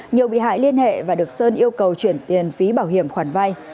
nhiều bị hại liên hệ và được sơn yêu cầu chuyển tiền phí bảo hiểm khoản vay